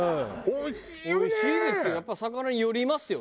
おいしいですよ。